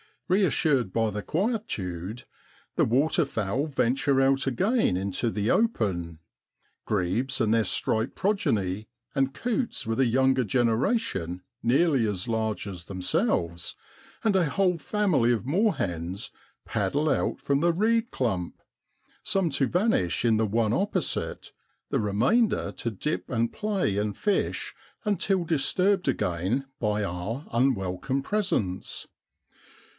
Keassured by the quietude, the waterfowl venture out again into the open, grebes and their striped progeny, and coots with a younger generation nearly as large as themselves, and a whole family of moorhens paddle out from the reed clump, some to vanish in the one opposite, the remainder to dip and play and fish until disturbed again by our unwelcome presence.